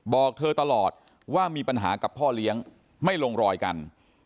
บอกเธอตลอดว่ามีปัญหากับพ่อเลี้ยงไม่ลงรอยกัน